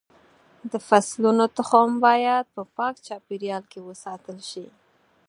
د فصلونو تخم باید په پاک چاپېریال کې وساتل شي.